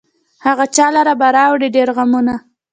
هغه چا لره به راوړي ډېر غمونه